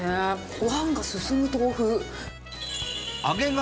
ごはんが進む豆腐。